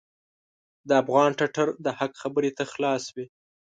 د افغان ټټر د حق خبرې ته خلاص وي.